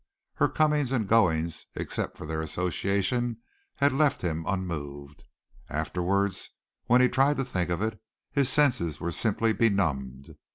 Her comings and goings, except for their association, had left him unmoved. Afterwards, when he tried to think of it, his senses were simply benumbed.